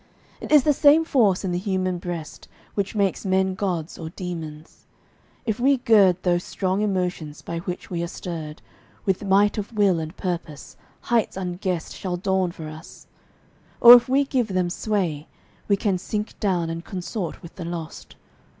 It is the same force in the human breast Which makes men gods or demons. If we gird Those strong emotions by which we are stirred With might of will and purpose, heights unguessed Shall dawn for us; or if we give them sway We can sink down and consort with the lost.